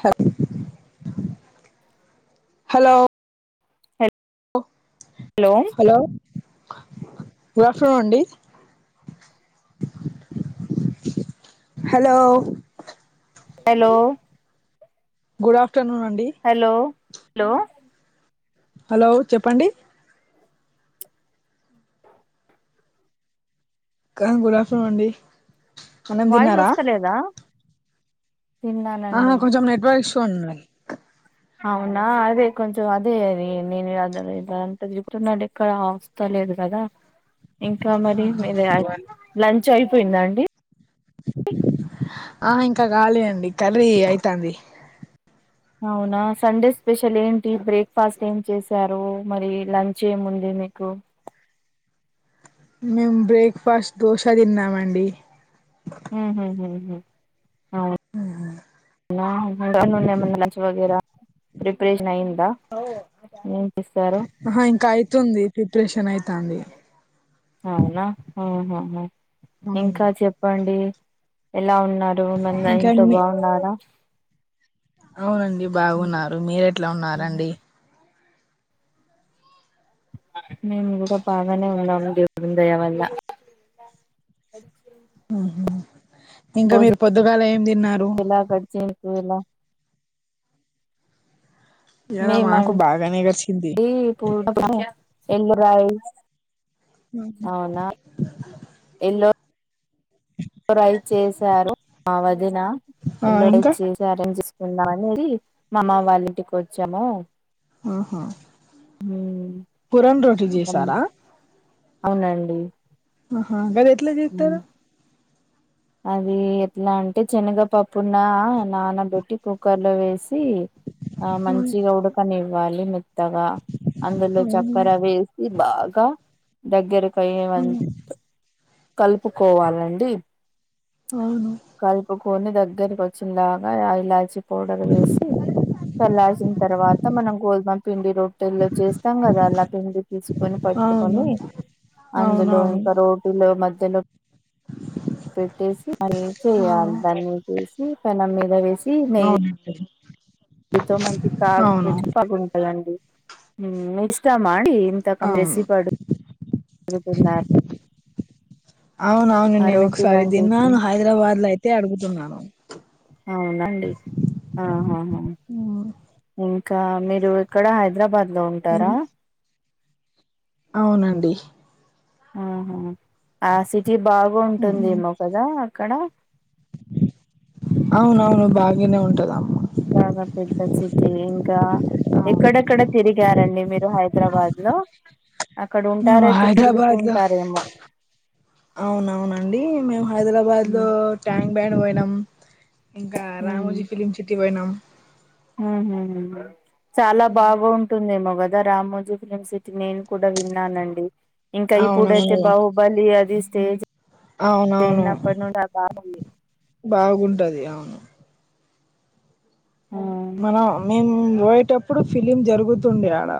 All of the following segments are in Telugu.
Hub hello hello! Hello good afternoon అండి హలో! అలో గుడ్ ఆఫ్టర్నూన్ అండి. హలో! హలో చెప్పండి? అక్క గుడ్ ఆఫ్టర్నూన్ అండి. అన్నం వాయిస్ తిన్నారా వస్తలేదా? ఆహ తిన్నానండి కొంచం నెట్వర్ ఇష్యూ ఉంది. అవునా అదే కొంచెం అదే అది నేనిదంత ఇదంత చెప్తున్నట్ ఎక్కడ అస్తలేదు గదా ఆ ఇంకా మరి మిరె లంచ్ అయిపోయిందా అండి ఆ ఇంక గాలె అండి కర్రీ అయితాంది. అవునా సండే స్పెషల్ ఏంటి బ్రేక్ఫాస్ట్ ఏం చేసారు మరి లంచ్ ఏముంది మీకు మేం బ్రేక్ఫాస్ట్ దోశ తిన్నామండి. మ్ హ్ హ్ అవు నా ఇంతక్ ముందు ఏమన్న లంచ్ [unintelligible] ప్రిపరేషన్ అయిందా? అహ ఇంకా అయితుంది ప్రిపరేషన్ అయితాంది. అవునా ఆ హా హా అవును ఇంకా చెప్పండీ. ఎలా ఉన్నారు మన్న ఇంకా ఇంట్లో మీ బాగున్నారా? అవునండి బాగున్నారు, మీరెట్లా ఉన్నారండి? మేం గుడా బాగానే ఉన్నాము దేవున్ దయ వల్ల అచ్చిన్ మ్ హ్ ఇంక మీరు పొద్దుగాల ఏం తిన్నారు? ఎలా గడిచింది [unintelligible] ఇయాల మాకు బాగానే గడిసింది. ఈ పూట ఎల్లు రాయి. అవునా ఎల్లో. ఎ చేసారు మా వదిన ఆ ఎల్లో రై ఇంకా చే. సరే చేసుకుందాం అనేది మా అమ్మ వాళ్ళ ఇంటికి వచ్చాము. కురం రోటీ ఇంకా చేసారా. అవునండి. అహా గది ఎట్లా జేత్తరు. అది ఎట్లా అంటే శనగ పప్పున్న నానబెట్టి కుక్కర్ లో వేసి. ఆ మంచిగా ఉడకనివ్వాలి మెత్తగా అందులో అవును చక్కెర వే. ఇది బాగా దగ్గరకు అయ్యే వరకు కలుపుకోవాలండి. అవును. కలుపుకొని దగ్గరకి వచ్చిందక ఆ ఇలాచి పౌడర్ వేసి. చల్లాసిన తర్వాత మనం గోధుమ పిండి రొట్టెల్లో చేస్తాం కదా అలా పిండి. తీసుకొని అవును పట్టుకొని అవును అందులో అవునవును ఇంకా రోటీలో మధ్యలో. పెట్టేసి అ అవును చేయాలి దాన్ని చేసి పెనం మీద వేసి నెయి. అవునండి ఏంతో మంచి కారూ అవును పగలగొట్టారండీ ఇస్తామా అండి. అవును కంమేసి పడ్ పడుకున్నారు. అవున అవును నేను ఆరోటి ఒకసారి లాంటివి తిన్నాను హైదరాబాద్ లో అయితే అడుగుతున్నాను. అవునండి ఆహాహా. ఉమ్ ఇంకా మీరు ఇక్కడ హైదరాబాద్లో ఉంటారా. అవునండి. ఉహుమ్ ఆ సిటీ ఉమ్ బాగుంటుందేమో కదా అక్కడ. అవున అవును బాగనే ఉంటదామ. బాగా పెద్ద సిటీ ఇంకా. అవును ఎక్కడెక్కడ తిరిగారండి మీరు హైదరాబాద్ లో. అక్కడ మేము ఉంటారైతే తిరుగుతూ హైదరాబాద్లో. ఉంటారేమో అవునవునండి మేమ్ హైదరాబాద్ లో. ఉమ్. ట్యాంగ్క్ బ్యాండ్ పోయినాం ఇంకా రామోజీ ఫిలిమ్ సిటీ పోయినాం. ఉహు చాలా బాగా ఉంటుందేమోగది. ద రామోజు ఫిలిమ్ సిటీ నేను కూడా విన్నానండి ఇంకా ఇప్పుడైతే అవునవును బావు. బలి అది స్టేజ్. అవునవును అయినప్పటి నుండి ఆ బాగా బాగుంటది అవును. ఉమ్. మనం నేను పోయేటప్పుడు ఫిలింజరుగుతుండే ఆడ.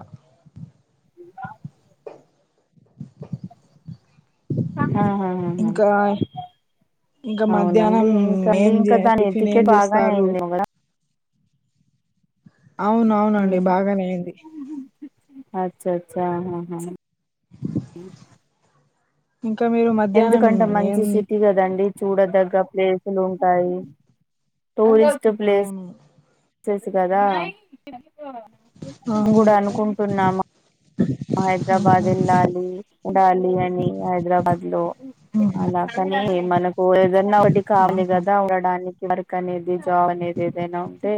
ఆ హా హా హా. ఇంకా ఇంకా అవునండి మధ్యాహ్నం ఇంకండి ఏం చే ఇంకా దాని టిఫిన్ వెతికి ఏం బాగానే చేస్తారు అయింది ఏమో గద. అవున అవునండి బాగానే అయింది. అచ్చ అచ్చహా హా. [unintelligible] ఇంకా మీరు మత్. ఎందుకంటే మంచి సిటీ కదండి చూడదగ్గ ప్లేసులు ఉంటాయి. Tourist place. ఆ వచ్చేసి కదా అవును కూడా అనుకుంటున్నామ. హైదరాబాద్ వెళ్ళాలి ఉడాలి అని హైదరాబాద్ లో. అలా కనీ మనకు ఏదన్నా ఒటి కావ్లి ఆహా గదా ఉండడానిక్ వర్క్ అనేది జావ్ అనేది ఏదైనా ఉంటే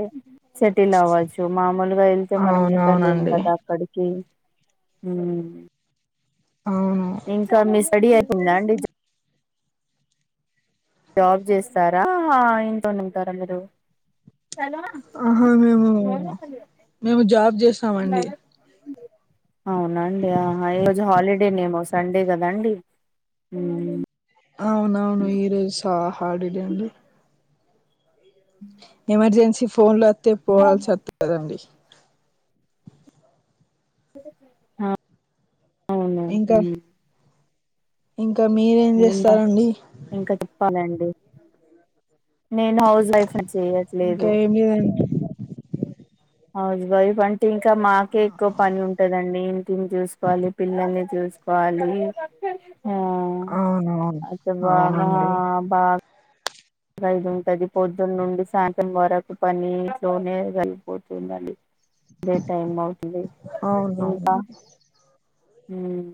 సెటిల్ అవ్వచ్చు మామూలుగా వెళ్తే మనం ఉండలేము అవునవునండి గదా అక్కడికి. ఉమ్ అవును. ఇంకా మీ స్టడీ అయిపొయిందాండి? జె జాబ్ జేస్తారా ఇంట్లోనె ఉంటారా మీరు? ఆహా మేమూ మేము జాబ్ జేస్తామండి. అవునండి ఆహా ఈరోజు హాలిడేనేమో సండే గదాండి! ఉమ్ అవునవును ఈరోజు హా హాడిడే అండి. ఎమర్జెన్సీ ఫోన్లత్తే పోవాల్సత్తదండి. ఆ అవునా? ఉమ్ ఇంక మీరేం జేస్తారండీ? ఇంక చెప్పాలండి నేను హౌస్ వైఫ్నన్ ఇంకా చేయట్లేదు. ఏం లేదండి హౌస్ వైఫ్ అంటే ఇంకా మాకే ఎక్కువ పనుంటదండి. ఇంటిన్జూస్కోవాలి పిల్లల్ని జూస్ వాలీ ఊ అవునా? అయితే బాగా బాగ్ రద్దుంటది పొద్దున్నుండి సాయంత్రం వరకు పనీ లోనే కలిగిపోతుందండి. దే టైమౌతుంది. అవునవును. ఉమ్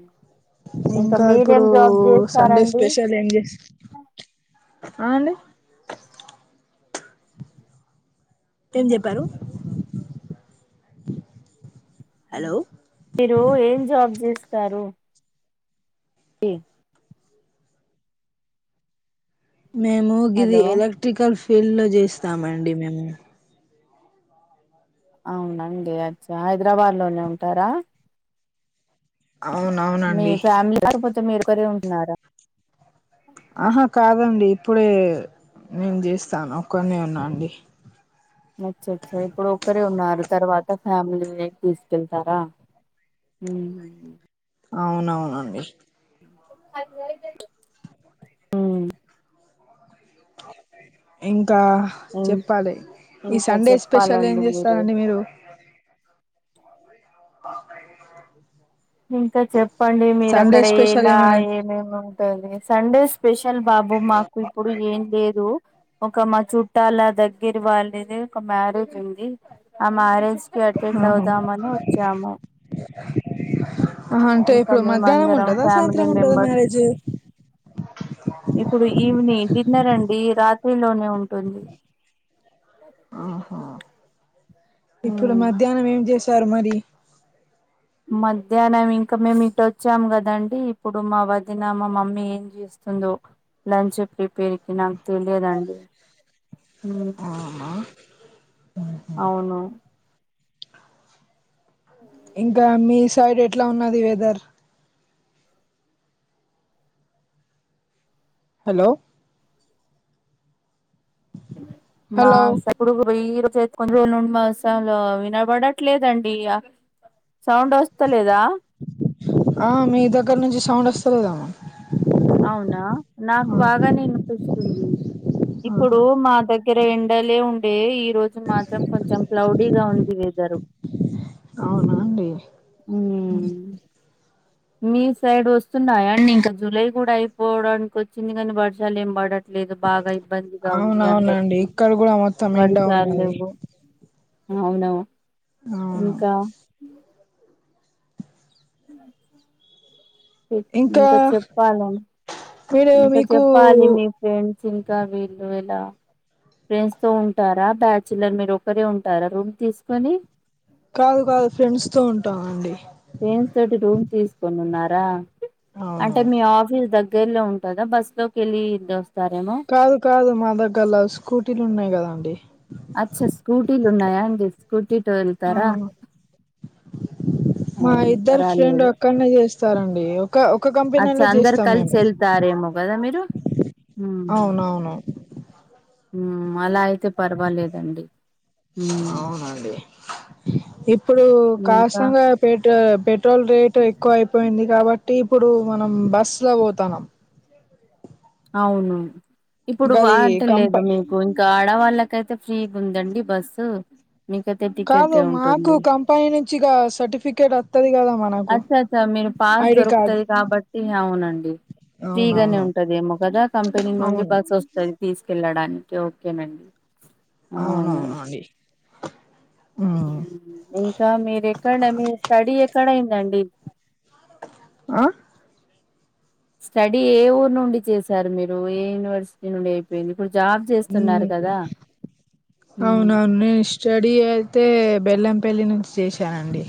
ఇంకా మీరేం ఇప్పుడూ జాబ్ సండే చేస్తారండి స్పెషల్ ఏం జేస్త్.. ఆ అండి? ఏం జెప్పారు? హలో! మీరు ఏం జాబ్ జేస్తారు? ఏ మేమూ గిది హలో ఎలక్ట్రికల్ ఫీల్డ్లో జేస్తామండి మేము. అవునండి అచ్చ హైదరాబాద్లోనే ఉంటరా? అవునవు మీ ఫ్యామ్లీ రాకపోతే మీరొకరే ఉంట్నారా? ఆహా కాదండి ఇప్పుడే నేన్జేస్తానొక్కన్నే ఉన్నాండి. అచ్చచ్చా ఇప్పుడొక్కరే ఉన్నారు. తర్వాత ఫ్యామిలీనీ తీస్కెళ్తారా? ఉమ్ హు అవునవునండి. [inaudible] ఉమ్ ఇంకా ఇం చెప్పాలె ఈ ఇంకా సండే స్పెషల్ ఏం చెప్పాలండి మీరే జేస్తారండి మీరు? [inaudible] ఇంకా చెప్పండి సండే మీరక్కడ స్పెషల్ ఏలా ఏమైనా ఏమేమి ఉంటంది? సండే స్ప్ స్పెషల్ బాబు మాకు ఇప్పుడు ఏం లేదు. ఒక మా చుట్టాల దగ్గరివాళ్ళదే ఒక మ్యారేజుంది. ఆ మ్యారేజ్ కి అటెండ్ అవుదామని వొచ్చాము. అహ అంటే ఇంకా ఇప్పుడు మేము అందరం మధ్యాహ్నముంటదా ఫ్యామిలీ సాయంత్రముంటదా మెంబర్స్ మ్యారేజ్? ఇప్పుడు ఈవిని డిన్నరండీ రాత్రిలోనే ఉంటుంది. ఆహా ఇప్పుడు ఉమ్. మధ్యాహ్నం ఏం చేశారు మరి మధ్యాహ్నం ఇంకా మేము ఇటుచ్చాం కదండి ఇప్పుడు మా వదిన మా మమ్మీ ఏం చేస్తుందో లంచ్ ప్రీప్ పేరికి నాకు తెలియదండి అవునా అవును [inaudible] ఇంకా మీ సైడ్ ఎట్లా ఉన్నది వెదర్ హలో మా హలో సై ఇప్పుడుయ రోజ కొంచన్ని రోజలు నుండి మాసంలో వినబడట్లేదండి సౌండ్ ఓస్తా లేదా ఆ మీ దగ్గర నుంచి సౌండ్ వస్తాలేదెఆమె అవునా నాకు బాగానే వినిపిస్తుంది ఇప్పుడు ఆహా మా దగ ఇక్కర ఎండలే ఉండే ఈ రోజు మాత్రం కొంచెం క్లౌడీగా ఉంది వెదరు అవునా అండి మ్ మీ సైడ్ వస్తున్నాయాండి ఇంకా జులై కూడా అయిపోవడానికి వచ్చింది కానీ వర్షాలు ఏం పడట లేదు బాగా ఇబ్బందిగా ఉంది అవునవునండి అందరికి ఇక్కడ కూడా మొత్తం ఎండ వారిశాలు ఉన్నది లేవు అవును అవును ఇంకా ఇంకా చెప్పాలి మీరు ఇంకా మీకు చెప్పాలి మీ ఫెంస్ ఇంకా వీళ్ళు ఇలా ఫ్రెండ్స్ తో ఉంటారా బ్యాచలర్ మీరు ఒకరే ఉంటారా రూమ్ తీసుకొని కాదు కాదు ఫ్రెండ్స్ తో ఉంటానండి ఫేన్స్ తోటి రూమ్ తీసుకునీ ఉన్నారా అవును అంటే మీ ఆఫ స్కీ దగ్గరలో ఉంటదా బస్సు లోకి వెళ్ళి ఇటు వస్తారేమో కాదు కాదు మా దగ్గరలో స్కూటీలు ఉన్నాయి కదండి అచ్చ స్కూటీలు ఉన్నాయా అండి స్కూటీతో వెళ్తారా ఆ మా అవును ఇద్దరు ఫ్రెండ్ పర్వాలేదు ఒక్కడనే చేస్తారండి ఒక ఒక కంపెనీలో చేస్తాం మేము సారేమో కదా మీరు అవునవును మ్మ్ అలా అయితే పర్వాలేదండి ఉమ్ అవునండి ఇప్పుడు ఇంకా కాసంగా పెట్ పెట్ పెట్రోల్ రేటు ఎక్కువ అయిపోయింది కాబట్టి ఇప్పుడు మనం బస్సు లో పోతాన్నాం అవును ఇప్పుడు వా గది అంట కంప లేదు మీకు గా ఆడవాళ్ళకైతే ఫ్రీగు ఉందండి బస్సు నికతీఏంటి కాదు మాకు కంపెనీ నుంచిగా సర్టిఫికేట్ వతది కదా మనకు అచ్చ మీరు పాస్ ఐడి కార్డ్ దొరుకుతుంది కాబట్టి అవునండి ఫ్రీగానే అవునవును ఉంటది ఏమో కాదా కంపెనీ నుండి అవును బస్ వస్తుంది తీసుకెళ్ళడానికి ఓకేనండి అవును అవును అండి హ్మ్. ఇంకా మీర ఎక్కడ మీ స్టడీ ఎక్కడయిందండి అ స్టడీ ఏ ఊరు నుండి చేశారు మీరు ఏ యూనివర్సి నుండి అయిపోయింది ఇప్పుడు జాబ్ చేస్తున్నారు మ్మ్ కదా మ్మ్ [inaudible] స్టడీ అయితే బెల్లంపల్లి నుంచి చేశానండి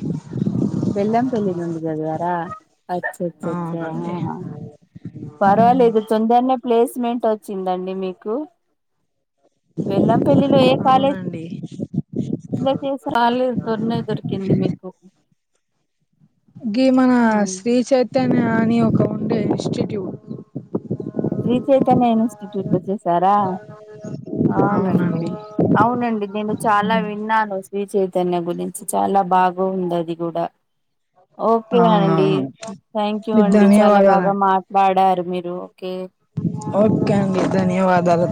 బెల్లంపల్లి నుండి చదివారా అచ్చ అచ్చ అచ్చ అవునండి పర్వాలేదు తొందర్నే ప్లేస్మెంట్ వచ్చిందండి మీకు బెల్లం పల్లిలో ఏ కాలేజ్ అండి ఇలా చేసే వాళీ దొరన దొరికింది మీకు [unintelligible] గి మన శ్రీ చైతన్య అని ఒక ఉండే ఇన్స్టిట్యూట్ శ్రీ చైతన్య ఇన్స్టిట్యూట్ సారా అవునండి అవునండి నేను చాలా విన్నాను శ్రీ చైతన్య గురించి చాలా బాగుంది అది కూడా ఓకే అండి అవునవును థ్యాంక్ యూ అండి చాలా బాగా ధన్యవాదాలండి మాట్ బాడారు మీరు ఓకే ఓకే అండి ధన్యవాదాలు